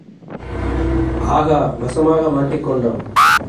ஆகா வசமாக மாட்டிக் கொண்டோம்.